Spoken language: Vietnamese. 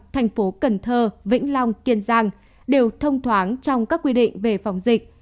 thành phố cần thơ vĩnh long kiên giang đều thông thoáng trong các quy định về phòng dịch